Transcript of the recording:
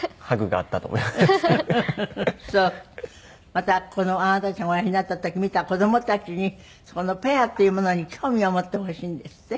またこのあなたたちがおやりになった時見た子供たちにそのペアっていうものに興味を持ってほしいんですって？